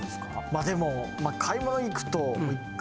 まあでも買い物に行くと。